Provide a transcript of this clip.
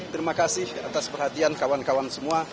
terima kasih atas perhatian kawan kawan semua